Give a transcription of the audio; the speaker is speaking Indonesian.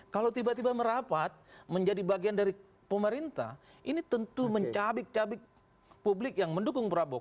kalau tiba tiba merapat menjadi bagian dari pemerintah ini tentu mencabik cabik publik yang mendukung prabowo